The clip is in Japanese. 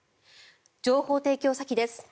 情報提供先です。